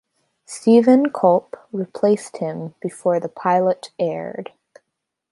Steven Culp replaced him before the pilot aired.